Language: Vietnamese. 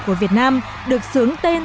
của việt nam được sướng tên